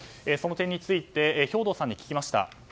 その点について兵頭さんに聞きました。